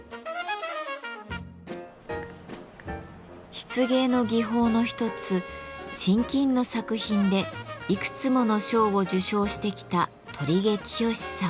漆芸の技法の一つ沈金の作品でいくつもの賞を受賞してきた鳥毛清さん。